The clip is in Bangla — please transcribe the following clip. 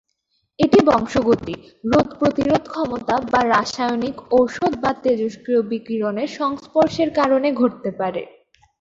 এটি বংশগতি, রোগ প্রতিরোধ ক্ষমতা বা রাসায়নিক, ঔষধ বা তেজস্ক্রিয় বিকিরণের সংস্পর্শের কারণে ঘটতে পারে।